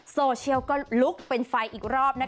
โซเชียลก็ลุกเป็นไฟอีกรอบ